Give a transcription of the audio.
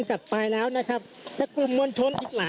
คุณภูริพัฒน์บุญนิน